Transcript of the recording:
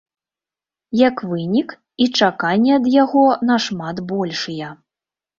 Як вынік, і чаканні ад яго нашмат большыя.